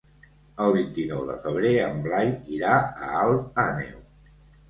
El vint-i-nou de febrer en Blai irà a Alt Àneu.